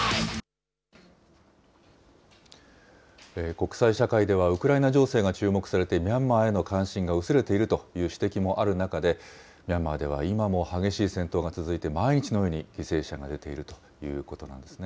国際社会では、ウクライナ情勢が注目されて、ミャンマーへの関心が薄れているという指摘もある中で、ミャンマーでは今も激しい戦闘が続いて、毎日のように犠牲者が出ているということなんですね。